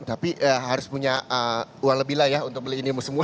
tapi harus punya uang lebih lah ya untuk beli ini semua